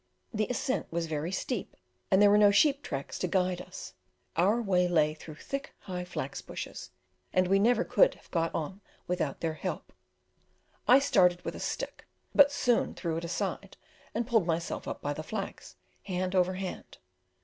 The ascent was very steep, and there were no sheep tracks to guide us; our way lay through thick high flax bushes, and we never could have got on without their help. I started with a stick, but soon threw it aside and pulled myself up by the flax, hand over hand.